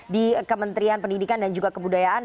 di kementerian pendidikan dan juga kebudayaan